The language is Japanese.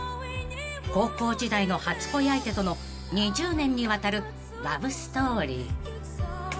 ［高校時代の初恋相手との２０年にわたるラブストーリー］